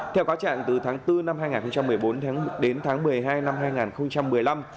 theo cáo trạng từ tháng bốn năm hai nghìn một mươi bốn đến tháng một mươi hai năm hai nghìn một mươi năm